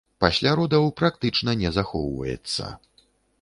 Пасля родаў практычна не захоўваецца.